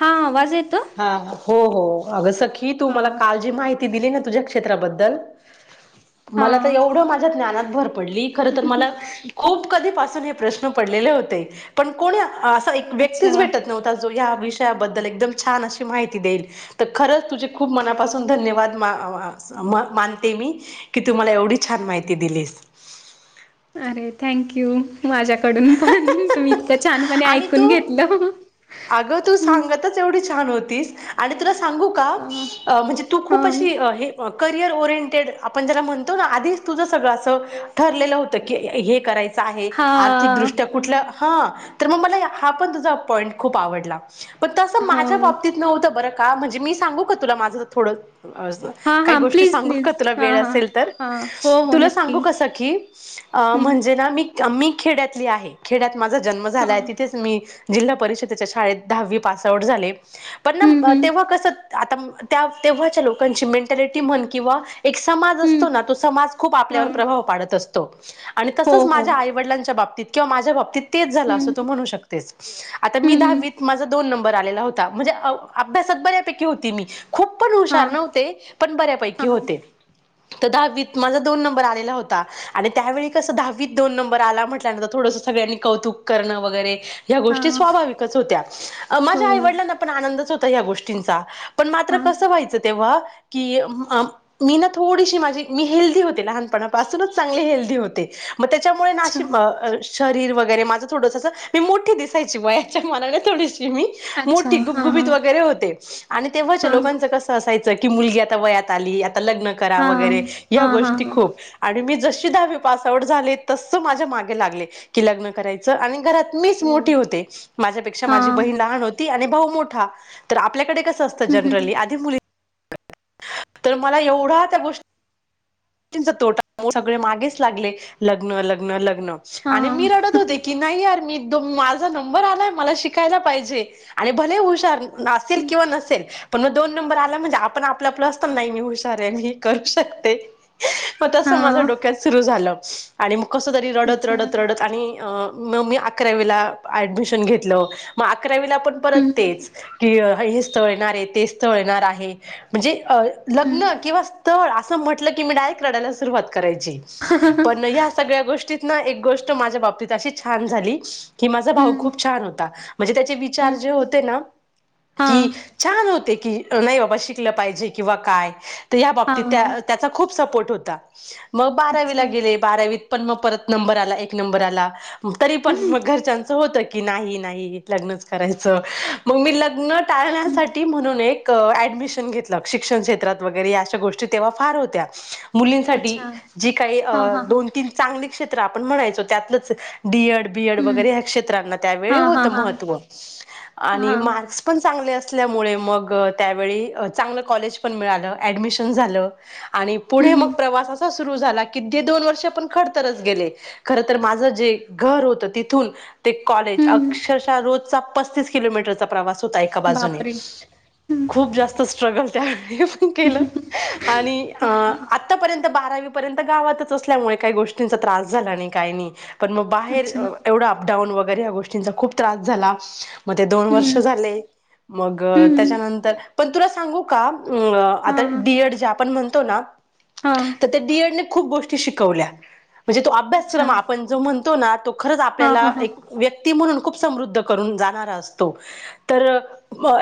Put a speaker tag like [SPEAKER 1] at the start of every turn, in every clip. [SPEAKER 1] हा आवाज येत
[SPEAKER 2] हा हो हो अग सखी तू
[SPEAKER 1] हा
[SPEAKER 2] मला काल जी माहिती ती दिली ना तूझ्या क्षेत्राबद्दल
[SPEAKER 1] हा
[SPEAKER 2] मला तर एवढ माझ्या द्यानात भर पडली पडली, खर मला खूप कधी पासून हे प्रश्न पडलेले होते, पण कोणी असा एक व्यक्तीच
[SPEAKER 1] अच्छा
[SPEAKER 2] भेटत नव्हता, जो ह्या विषयाबद्दल एकदम छान अशी माहिती देईल, त खरंच तुझे खूप मनापासून धन्यवाद मा आ स म मानते मी, की तु मला एवढी छान माहिती दिलीस
[SPEAKER 1] अरे थँक यू माझ्याकडून पण तुमी इतकं छानपणे
[SPEAKER 2] आणि
[SPEAKER 1] ऐकून
[SPEAKER 2] तू
[SPEAKER 1] घेतलं
[SPEAKER 2] अगं तू
[SPEAKER 1] हू
[SPEAKER 2] सांगतच एवढी छान होतीस, आणि तुला सांगू का
[SPEAKER 1] हा
[SPEAKER 2] अ म्हणजे तु
[SPEAKER 1] हा
[SPEAKER 2] खूप अशी अ हे कय क्लिअर ओरिंटेड, आपण जरा म्हणतो ना आधीच तुझ सगळं अस ठरलेलं होत की हे कराय च आहे
[SPEAKER 1] हा
[SPEAKER 2] आर्थिकदृष्ट्या कुठल्या हा तर मग मला हा पण तुझा पॉईंट खूप आवडला. पण तसं माझ्या
[SPEAKER 1] हो
[SPEAKER 2] बाबतीत नव्हतं बरं का म्हणजे मी सांगू का तुला माझं थोडं अज
[SPEAKER 1] हा
[SPEAKER 2] काही
[SPEAKER 1] हा
[SPEAKER 2] गोष्टी
[SPEAKER 1] प्लीज
[SPEAKER 2] सांगू का
[SPEAKER 1] प्लीज
[SPEAKER 2] तुला
[SPEAKER 1] हा
[SPEAKER 2] वेळ
[SPEAKER 1] हा
[SPEAKER 2] असेल तर?
[SPEAKER 1] हा हो हो
[SPEAKER 2] तुला
[SPEAKER 1] नक्की
[SPEAKER 2] सांगू का सखी? अ
[SPEAKER 1] हम्म
[SPEAKER 2] म्हणजे ना मीक मी खेड्यातली आहे, खेड्यात माझा जन्म
[SPEAKER 1] हा
[SPEAKER 2] झालाय तिथेच मी जिल्हा परिषदेच्या शाळेत दहावी पास आउट झाले, पण
[SPEAKER 1] हम्म
[SPEAKER 2] ना
[SPEAKER 1] हम्म
[SPEAKER 2] तेव्हा कसं आता म त्या तेव्हाच्या लोकांची मेंटॅलिटी म्हण किंवा एक समाज असतो
[SPEAKER 1] हम्म
[SPEAKER 2] ना, तो समाज खूप
[SPEAKER 1] हा
[SPEAKER 2] आपल्यावर प्रभाव पाडत असतो. आणि
[SPEAKER 1] हो
[SPEAKER 2] तसंच
[SPEAKER 1] हो
[SPEAKER 2] माझ्या आईवडलांच्या बाबतीत किंवा माझ्या बाबतीत तेच झाल अस
[SPEAKER 1] हम्म
[SPEAKER 2] तु म्हणू शकतेस, आता मी
[SPEAKER 1] हम्म
[SPEAKER 2] दहावीत माझं दोन नं बर आलेला होता म्हणजे अ अभ्यासात बऱ्यापैकी होती मी खूप पण
[SPEAKER 1] हा
[SPEAKER 2] हुशार नव्हते, पण बऱ्यापैकी
[SPEAKER 1] हा
[SPEAKER 2] होते. त दहावीत माझा दोन नंबर आलेला होता आणि त्यावेळी कसं दहावीत दोन नंबर आला म्हटल्यानंतर थोडसं सगळ्यांनी कौतुक करण वगैरे ह्या
[SPEAKER 1] हा
[SPEAKER 2] गोष्टी स्वाभाविकच होत्या, अ
[SPEAKER 1] हो
[SPEAKER 2] माझ्या आईवडलांना पण आनंदच हो त या गोष्टींचा पण मात्र
[SPEAKER 1] हा
[SPEAKER 2] कसं व्हायचं तेव्हा की अ अम मी ना थोडीशी माझी मी हेल्दी होते, लहानपणापासूनच चांगले हेल्दी होते. म त्याच्यामुळे ना
[SPEAKER 1] अच्छा
[SPEAKER 2] अशी अ अ शरीर वगै गेरे माझं थोडस अस, मी मोठी दिसायची वयाच्या मानाने थोडीशि ती मी
[SPEAKER 1] अच्छा
[SPEAKER 2] मोठी
[SPEAKER 1] हा
[SPEAKER 2] गुपगुपीत वगैरे होते आणि
[SPEAKER 1] हा
[SPEAKER 2] तेव्हाच्या
[SPEAKER 1] हा
[SPEAKER 2] लोकांचं कसं असाय च की मुलगी आता वयात आली, आता लग्न करा
[SPEAKER 1] हा
[SPEAKER 2] वगैरे
[SPEAKER 1] हा
[SPEAKER 2] ह्या
[SPEAKER 1] हा
[SPEAKER 2] गोष्टी
[SPEAKER 1] हा
[SPEAKER 2] खूप आणि मी जश ती दहावी पास आउट झाले, तस माझ्या माग लागले की लग्न करायचं आणि घरात मीच
[SPEAKER 1] हो
[SPEAKER 2] मोठी होते, माझ्यापेक्षा
[SPEAKER 1] हा
[SPEAKER 2] माझी बहीण लहान होती आणि भाऊ मोठा, तर आपल्याकडे क [unintelligible] असत जनरली
[SPEAKER 1] हम्
[SPEAKER 2] आधी मु [unintelligible] तर मला एवढ्या त्या गोष् [unintelligible] चा तोटा [unintelligible] सगळे मागेच लागले लग्न, लग्न, लग्न आणि
[SPEAKER 1] हम्
[SPEAKER 2] मी
[SPEAKER 1] हा
[SPEAKER 2] रडत होते की नाही यार मी [unintelligible] माझा नंबर आलाय मला शिकायला पाहिजे आणि भलेहि हुशार नासेल किंवा नसेल पण मग दोन नंबर आला म्हणजे आपण आपला प्लस तर नाही मी हुशारे, मी करू शकते. म तस
[SPEAKER 1] हा
[SPEAKER 2] माझ्या डोक्यात सुरू झालं आणि मग कस तरी रडत
[SPEAKER 1] विचार
[SPEAKER 2] रडत रडत आणि अ म मी अकरावीला ऍडमिशन घेतलं, मग अकरावीला पण परत
[SPEAKER 1] हम्म
[SPEAKER 2] तेच की [unintelligible] हे स्थळ येणार ये, ते स्थळ येणार आहे म्हणजे अ
[SPEAKER 1] हम्म
[SPEAKER 2] लग्न किंवा स्थळ अस म्हटल की मी डायेक रडायला सुरवात करायची, पण ह्या सगळ्या गोष्टीत न एक गोष्ट माझ्या बाबतीत अशी छान झाली की माझा भाऊ
[SPEAKER 1] हम्म
[SPEAKER 2] खूप छान होता. म्हणजे त्याचे विचार जे
[SPEAKER 1] हम्म
[SPEAKER 2] होते ना
[SPEAKER 1] हा
[SPEAKER 2] की छान होते. की अ नाही बाबा शिकल पाहिजे किंवा काय त ह्या
[SPEAKER 1] हा
[SPEAKER 2] बाबतीत त्या त्याचा खूप सपोर्ट होता, मग
[SPEAKER 1] अच्छा
[SPEAKER 2] बारावीला गेले बारावीत पण म पर नंबर आला, एक नंबर आला. हु तरी पण
[SPEAKER 1] हम्म
[SPEAKER 2] मग घरच्यांचं होत कि नाही नाही लग्नच करायच मग मी लग्न
[SPEAKER 1] हम्म
[SPEAKER 2] टाळण्यासाठी म्हणून एक ऍ ऍडमिशन घेतलं, शिक्षण क्षेत्रात वगैरे या अशा गोष्टी तेव्हा फार होत्या. मुलींसाठी
[SPEAKER 1] अच्छा
[SPEAKER 2] जी काही अ
[SPEAKER 1] हा हा हा
[SPEAKER 2] दोन तीन चांगली क्षेत्र आपण म्हणायचो त्यातलंच डी एड, बी एड
[SPEAKER 1] हम्म
[SPEAKER 2] वगैरे ह्या क्षेत्रांना त्यावेळी
[SPEAKER 1] हा हा
[SPEAKER 2] होतं
[SPEAKER 1] हा
[SPEAKER 2] महत्त्व
[SPEAKER 1] हा
[SPEAKER 2] आणि मार्क्स पण चांगले अस सल्यामुळे मग त्यावेळी अ चांगल कॉलेज पण मिळाल, ऍडमिशन झाल. आणि पुढे मग
[SPEAKER 1] हम्म
[SPEAKER 2] प्रवास असा सुरू झाला की दोन वर्ष आपण खर तररच गेले खर तर माझं जे र होत तिथून ते कॉलेज
[SPEAKER 1] हम्म
[SPEAKER 2] अक्षरशः रोजचा पस्तीस किलोमीटरचा प्रवास हो एका बाजूने
[SPEAKER 1] बापरे हम्म
[SPEAKER 2] खूप जास्त स्ट्रगल प केलं आणि
[SPEAKER 1] हा हा
[SPEAKER 2] आतापर्यंत बारावी पर्यंत गावातच असल्यामुळे काही गोष्टींचा त्रास झाला आणि काही नाही पण मग बाहेर
[SPEAKER 1] अच्छा
[SPEAKER 2] एवढा अपडाऊन वगैर गोष्टींचा खूप त्रास झाला मग ते दोन वर्ष
[SPEAKER 1] हम्म
[SPEAKER 2] झाले मग
[SPEAKER 1] हम्म
[SPEAKER 2] त्याच्यानंतर पण तुला सांगू का अ
[SPEAKER 1] हा
[SPEAKER 2] आता डीएड जे आपण म्हणतो ना
[SPEAKER 1] हा
[SPEAKER 2] तर त्या डीएड खप गोष्टी शिकवल्या म्हणजे तो
[SPEAKER 1] अच्छा
[SPEAKER 2] अभ्यासक्रम आपण जो म्हणतो ना तो खरंच
[SPEAKER 1] हा हा
[SPEAKER 2] आपल्याला
[SPEAKER 1] हा
[SPEAKER 2] एक व्यक्ती म्हणून खूप समृद्ध करून जाणार असतो तर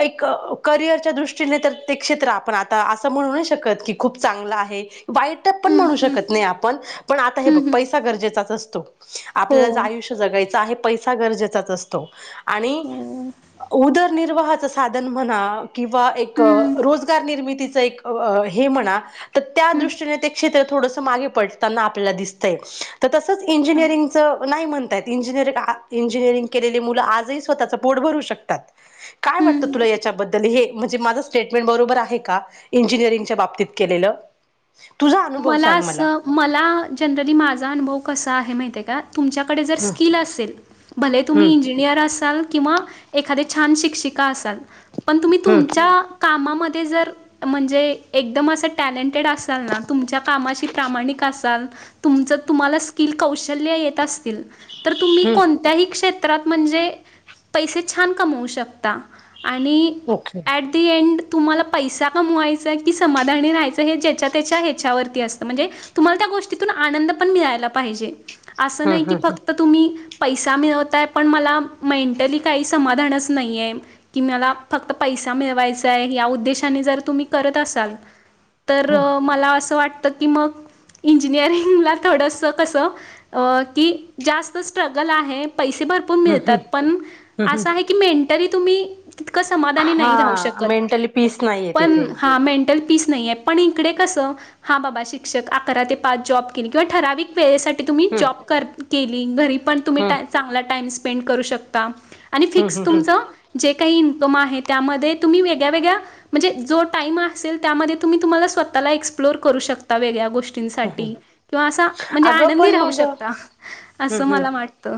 [SPEAKER 2] एक करिअरच्या दृष्टीने तर प्रत्य क्षेत्र आपण आता असं म्हणू नाही शकत क खूप चांगला आहे वाईट पण
[SPEAKER 1] हम्म
[SPEAKER 2] म्हणू
[SPEAKER 1] हम्म
[SPEAKER 2] शकत नाही आपण पण आता हे बघ
[SPEAKER 1] हम्म
[SPEAKER 2] पैसा गरजेचाच असतो
[SPEAKER 1] हो
[SPEAKER 2] आपल्याला ज आयुष्य जगायचं आहे पैसा गरजेचाच असतो आणि
[SPEAKER 1] हो
[SPEAKER 2] उदरनिर्वाहाच साधन म्हणा किंवा एक
[SPEAKER 1] हम्म
[SPEAKER 2] रोजगार निर्मितीच एक म्हणा त्या
[SPEAKER 1] हम्म
[SPEAKER 2] दृष्टी ते क्षेत्र थोड मागे पडताना आपल्याला दिसतंय तस
[SPEAKER 1] अच्छा
[SPEAKER 2] इंजिनिअरिंगचं नाही म्हणतयत इंजिनिअरि इंजिनअरिंग केलेले मुलं आजही स्वतचं पोट भरू शकतात काय वाटत
[SPEAKER 1] हम्म
[SPEAKER 2] तुला याच्याबद्ल हे म्हणजे माझं स्टेटमेंट बरोबर आहे का इंिनिरिंगच्या बाबत बाबतीत केलेलं तुझा अनुभव
[SPEAKER 1] मला
[SPEAKER 2] सांग
[SPEAKER 1] अस मला जनरली माझा अनुभव कसा आहे माहि आहे का? तुमच्याकडे जर
[SPEAKER 2] हम्म
[SPEAKER 1] स्किल असेल भले तुम्ही
[SPEAKER 2] हम्म
[SPEAKER 1] इंजिनिअर असाल त् त
[SPEAKER 2] हम्म
[SPEAKER 1] ते जर म्हणजे एकदम असं टॅलेंटेड असाल ना तुमच्या कामा प्रामाणिक असाल तम तुम्हाला स्कि कौश येत अस तर तुम्ही
[SPEAKER 2] हम्म
[SPEAKER 1] कोणत्याही क्षेत्रात म्हणजे पैसे छान कमवू शकता आणि
[SPEAKER 2] ओके
[SPEAKER 1] ॲट द एंड तुम्हाला पैसा कमवायचा की समाधानी राहायचं हे ज्याच्या त्याच्या हे म्हणजे तुम्हाला गोष्टीून आन पण मिलाज असं
[SPEAKER 2] हम्म
[SPEAKER 1] नाही की
[SPEAKER 2] हम्म हम्म
[SPEAKER 1] फक्त तुम्ही पैसा मिळवतय पण मला मेंटली काही समाधानच नाहीये की मला फक्त पै ् असं वाटतं की मग इंजिनिअरिंगला थोडंसं कसं की जास्त स्ट्रगल आहे प भरपूर
[SPEAKER 2] हम्म
[SPEAKER 1] मितात
[SPEAKER 2] हम्म
[SPEAKER 1] पण
[SPEAKER 2] हम्म
[SPEAKER 1] अस आहे क मेंटली तुम्ही सा नाही रा
[SPEAKER 2] हा
[SPEAKER 1] शकत
[SPEAKER 2] मेंटली पीस नाहीये
[SPEAKER 1] पण
[SPEAKER 2] तिथे.
[SPEAKER 1] हे ल पीस नाहीे पण इकडे कस हां बाबा शिक्षक अकरा ते पाच जॉब केली किंवा ठराविक वेळेसाठी तुम्ही
[SPEAKER 2] हम्म
[SPEAKER 1] जॉब कर केली घरी पण तुम्ही
[SPEAKER 2] हम्म
[SPEAKER 1] चांगला टाईम स्पेंड करू शकता आणि फिक्स
[SPEAKER 2] हम्म
[SPEAKER 1] तुमच
[SPEAKER 2] हम्म
[SPEAKER 1] जे [inaudible] एक्प्लर करू शता वेळ्याोष्टी
[SPEAKER 2] हम्म
[SPEAKER 1] साठी किंवा असा म्हणजे
[SPEAKER 2] अगं
[SPEAKER 1] आनंदी
[SPEAKER 2] पण
[SPEAKER 1] राहू
[SPEAKER 2] मग
[SPEAKER 1] शकता
[SPEAKER 2] हम्म
[SPEAKER 1] असं
[SPEAKER 2] हम्म
[SPEAKER 1] मला वाटत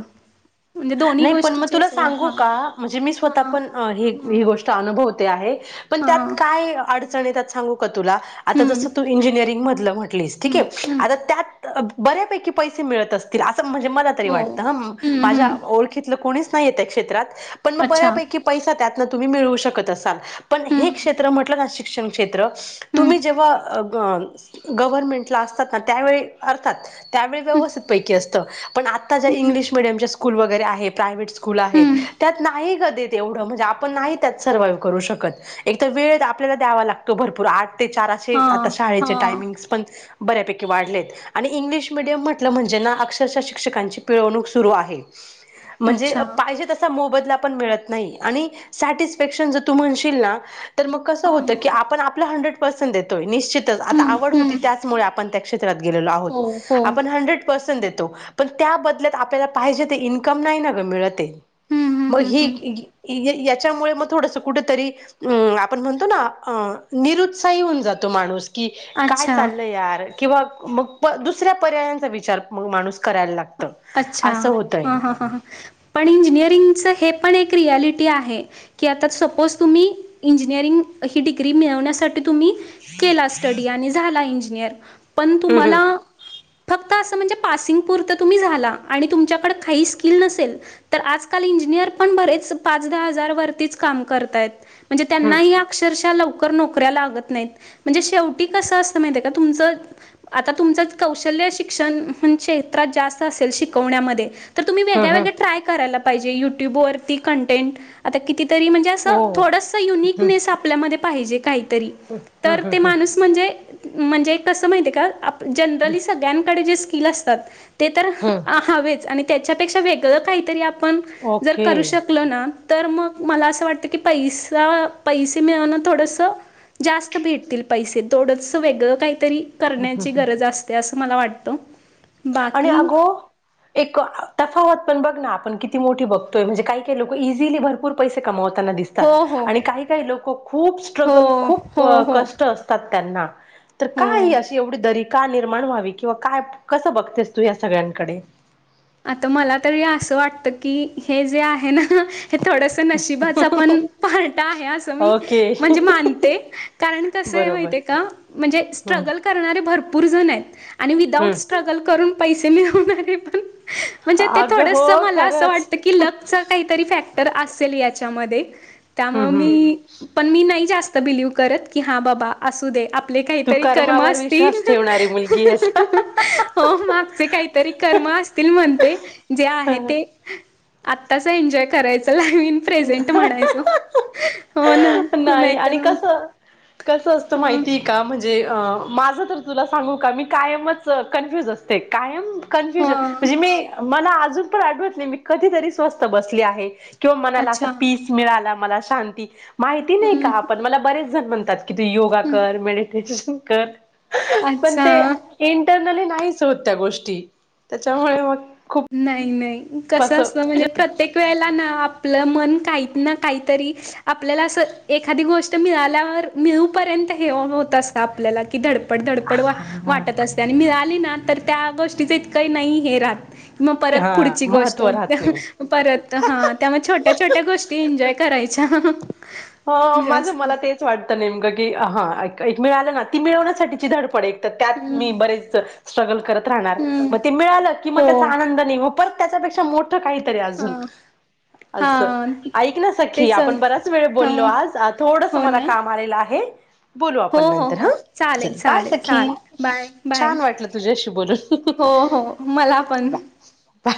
[SPEAKER 2] नाही पण मग तुला सांगू का म्हणजे मी स्वतः
[SPEAKER 1] हां
[SPEAKER 2] पण ही
[SPEAKER 1] हां
[SPEAKER 2] गोष्ट अ ण त्या
[SPEAKER 1] हां
[SPEAKER 2] काय अडू का तु
[SPEAKER 1] हम्म
[SPEAKER 2] जस इंिंग
[SPEAKER 1] हम्म हम्म
[SPEAKER 2] ब्याै प अस म्हणजे मला त
[SPEAKER 1] हो
[SPEAKER 2] वाटत
[SPEAKER 1] हम्म
[SPEAKER 2] माझ्या
[SPEAKER 1] हम्म
[SPEAKER 2] च नाही प
[SPEAKER 1] अच्छा
[SPEAKER 2] बै प तळू शकत
[SPEAKER 1] हम्म
[SPEAKER 2] म्ह
[SPEAKER 1] हम्म
[SPEAKER 2] तम् जेव गव्हर्नमेंटला असतात ना त्यावेळी अर्थात त्यावेळी
[SPEAKER 1] हम्म
[SPEAKER 2] व्यवस्थित पैकी असत पण आता
[SPEAKER 1] हम्म
[SPEAKER 2] इंग्श मिडयमच्या स्कूल वगैरे आहे प्रायव्ट स्कूल आहेत
[SPEAKER 1] हम्म
[SPEAKER 2] त्यात नाही कधी तेवढं म्हणजे आपण नाही त्यात सर्वइव्ह करू शकत. एक वेळ आपल्याला द्यावा लागतो भरपूर आठ ते चाराशे
[SPEAKER 1] हा
[SPEAKER 2] आता
[SPEAKER 1] हा
[SPEAKER 2] शाळेचे टायमिंग्स पण बऱ्यापैकी वाढलेत आणि इंग्लिश मिडियम म्हटलं म्हणजे ना अक्षरशः शिक्षकांची पिळवणूक सुरू आहे. म्हणजे
[SPEAKER 1] अच्छा हा
[SPEAKER 2] पाहिजे तसा मोबदला पण मिळत नाही आणि सॅटफिकेशन तुम्हनशीलना तर मग कस होत की आपण
[SPEAKER 1] हम्म
[SPEAKER 2] आपल्या. आपला हंड्रेड पर्सेंट देतोय निश्चितच आता आवड होती
[SPEAKER 1] हम्म
[SPEAKER 2] त्यामुळे आपण त्या
[SPEAKER 1] हो हो
[SPEAKER 2] क्षेत्रात हंड्रेड पर्सेंट देतो पण त्या बदल्यात आपल्याला पाहिजेत. इन्कम नाही न ग मिळत.
[SPEAKER 1] हम्म हम्म
[SPEAKER 2] मग
[SPEAKER 1] हम्म हम्म
[SPEAKER 2] ही याच्यामुळे मग थोडस कुठेतरी अ आपण म्हणतो ना. निरुत्साही होऊन जातो माणूस की काय
[SPEAKER 1] अच्छा
[SPEAKER 2] चालल यार किंवा मग प दुसऱ्या पर्यायांचा विचार मग माणूस करायला लागतो.
[SPEAKER 1] अच्छा हा हा ह ह पण इंजिनिअरिंग- हे पण एक रियालिटी आहे कि आता सपोज तुम्ही इंजिनिअरिंग ही डिग्री मिळविण्यासाठी. तुम्ही केल असत डी आणि झाला इंजिनर पण
[SPEAKER 2] हम्म हम्म
[SPEAKER 1] तुम्हाला. फक्त असं म्हणजे पासिंग पुरतं तुम्ही झाल. तम न आज इण बेहाार आहे तेेच काम करता आहे म्हणजे
[SPEAKER 2] हा
[SPEAKER 1] त्यांनाही अक्षरशा लवकर तर नोकऱ्या लागत नाहीत म्हणजे शेवटी कस माहीत आहे तुमच आता कौशल्या. ते शिक्षणशास्त्र जास्त असेल शवण्या मध्ये तुम्ही वेग
[SPEAKER 2] हा हा
[SPEAKER 1] वेगळ्या ट्राय करायला. म्हणजे युट्यूब वरती कंटेंड आता कितीतरी म्हणजे अस
[SPEAKER 2] ओ
[SPEAKER 1] थोड
[SPEAKER 2] ह
[SPEAKER 1] युनिकलेस आपल्या. पाहिजे काहीतरी
[SPEAKER 2] ह
[SPEAKER 1] तर ते
[SPEAKER 2] ह
[SPEAKER 1] माणूस म्हणजे माहित आहे का. जनरली सगळ्यान कडे जे स्किल असतात
[SPEAKER 2] ह
[SPEAKER 1] हवेच. त्याच्यापेक्षा वेगळं काहीतरी आपण जर
[SPEAKER 2] ओके
[SPEAKER 1] करू शकलो ना. तर मग मला असं वाटतं की पैसा पैसे मिळवणं थोडस. जास्त भेटतील पैसे थोडंच वेगळस काही. तरी करण्याची गरज असते असं मला वाटत.
[SPEAKER 2] आणि अगो एक त ते पण बघ ना आपण किती मोठी बघतोय म्हजे काही काय लोक इझिली भरपर पैसे कमावतात. दिसतात
[SPEAKER 1] हो हो
[SPEAKER 2] आणि काही काही लोक खूप स्ट्रगल
[SPEAKER 1] हो
[SPEAKER 2] खूप
[SPEAKER 1] हो हो
[SPEAKER 2] कष्ट असतात. त्यांना तर काय
[SPEAKER 1] हो.
[SPEAKER 2] अशी एवढी दर का निर्माण व्हावी किंवा काय. कसं बघतेस तू या सगळ्यांकडे.
[SPEAKER 1] आता मला तरी असं वाटत की हे जे आहे ना. हे थोडस नशिबाचा पण पार्ट आहे असं मी
[SPEAKER 2] ओके
[SPEAKER 1] म्हणजे मानते का कारण कस आहे
[SPEAKER 2] बरोबर
[SPEAKER 1] माहिती का म्हणजे
[SPEAKER 2] हम्म
[SPEAKER 1] स्ट्रगल करणारे भरपूर जण आहेत आणि विदाउट
[SPEAKER 2] हम्म
[SPEAKER 1] स्ट्रगल करून. पैसे मि होणार आहे पण [unintelligible] म्हणे ते
[SPEAKER 2] अगं हो
[SPEAKER 1] थोडस मला अस
[SPEAKER 2] खरंच
[SPEAKER 1] वाटत की ल काहीतरी फॅक्टर असेल. त्यामध्ये
[SPEAKER 2] हम्म
[SPEAKER 1] त्यामुळे
[SPEAKER 2] हम्म
[SPEAKER 1] मी पण मी नाही जास्त. बिलिव्ह करत हा बाबा असूदे आपले
[SPEAKER 2] तू
[SPEAKER 1] काहीतरी कर्म
[SPEAKER 2] कर्मावर
[SPEAKER 1] असतील
[SPEAKER 2] विश्वास ठेवणारी मुलगी आहेस
[SPEAKER 1] मागचे काहीतरी कर्म असतील. म्हणते जे आहे ते. आत्ताच एन्जॉय करायचं लाईव इन प्रेझेंट म्हणायच.
[SPEAKER 2] नाही आणि कस कसं असतं
[SPEAKER 1] हा
[SPEAKER 2] माहिती का म्हणजे. जे माझं तर तुला सांगू का मी कायमच कन्फ्युज असते कायम. कन्फ्युजन
[SPEAKER 1] हा
[SPEAKER 2] म्हणजे मी मला अजून पण आठवत नाही मी कधीतरी स्वस्त बसले आहे. किंवा मनाला असं
[SPEAKER 1] अच्छा
[SPEAKER 2] पीस मिळाला मला शांती माहिती नाही का
[SPEAKER 1] हम्म
[SPEAKER 2] आपण मला बरेच जण म्हणतात.
[SPEAKER 1] हम्म
[SPEAKER 2] योगकर मेडटेश कर पण
[SPEAKER 1] अच्छा
[SPEAKER 2] इंटर नाहीच होत त्या गोष्टी त्याच्यामुळे मग. खूप
[SPEAKER 1] नाही नाही कस
[SPEAKER 2] असं
[SPEAKER 1] असत म्हणजे प्रत्येक वेला ना आपलं. काही काहीतरी आपल्याला अस एखादी गोष्ट मिळाल्यावर मिळेपर्यंत हे. फोन होत अस का आपल्याला की धड पड धडपड वाटत असते आणि मिळाली ना तर त्या गोष्टीच इतकही नाही हे राहत. मग परत
[SPEAKER 2] हा
[SPEAKER 1] पुढची गोष्ट
[SPEAKER 2] महत्त्व राहत नाही
[SPEAKER 1] परत हा त्यामुळे छोट्या छोट्या गोष्टी एन्जॉय करायच्या हह
[SPEAKER 2] ह माझ मला तेच वाटतं नेमकं की हा मिळालं ना ती मिळवण्यासाठीची धड पड ये त्यात
[SPEAKER 1] हम्म
[SPEAKER 2] म बेच सलत राहणार
[SPEAKER 1] हम्म
[SPEAKER 2] मग ते मिळा की म
[SPEAKER 1] हो
[SPEAKER 2] त्या आन त्यापेक्षा मोठ काहीतरी
[SPEAKER 1] हा
[SPEAKER 2] अजून
[SPEAKER 1] हा
[SPEAKER 2] अस ऐक ना सखी
[SPEAKER 1] तेच
[SPEAKER 2] आपण बराच वेळ
[SPEAKER 1] हा
[SPEAKER 2] बोललो आज थोडस
[SPEAKER 1] हो
[SPEAKER 2] मला
[SPEAKER 1] ना
[SPEAKER 2] काम आलेलं आहे. बोलू
[SPEAKER 1] हो
[SPEAKER 2] आपण
[SPEAKER 1] हो
[SPEAKER 2] नंतर हा
[SPEAKER 1] हो चालेल
[SPEAKER 2] चल पाय
[SPEAKER 1] चालेल
[SPEAKER 2] सखी
[SPEAKER 1] चालेल बाय बाय
[SPEAKER 2] छान वाटलं तुझ्याशी बोलून
[SPEAKER 1] हो हो मला पण.
[SPEAKER 2] बा